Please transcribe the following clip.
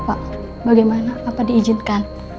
pak bagaimana apa diizinkan